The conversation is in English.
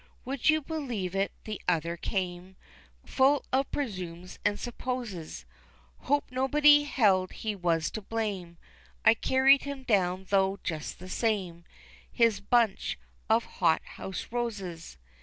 Would you believe it, the other came, Full of presumes and supposes, Hoped nobody held he was to blame, I carried him down, though, just the same, His bunch of hot house roses.